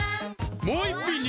もう１品に！